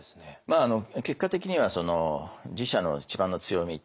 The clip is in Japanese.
結果的には自社の一番の強み